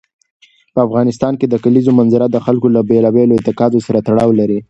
په افغانستان کې د کلیزو منظره د خلکو له بېلابېلو اعتقاداتو سره تړاو لري.